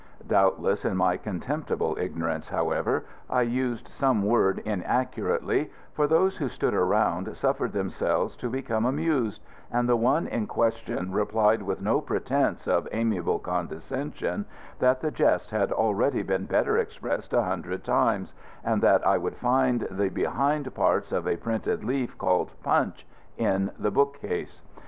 Doubtless in my contemptible ignorance, however, I used some word inaccurately, for those who stood around suffered themselves to become amused, and the one in question replied with no pretence of amiable condescension that the jest had already been better expressed a hundred times, and that I would find the behind parts of a printed leaf called "Punch" in the bookcase.